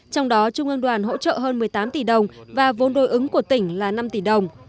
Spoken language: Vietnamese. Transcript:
trong đó trung ương đoàn hỗ trợ hơn một mươi tám tỷ đồng và vốn đối ứng của tỉnh là năm tỷ đồng